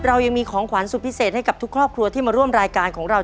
เรายังมีของขวัญสุดพิเศษให้กับทุกครอบครัวที่มาร่วมรายการของเรา